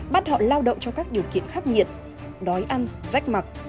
bắt họ lao động trong các điều kiện khắp nhiệt đói ăn rách mặc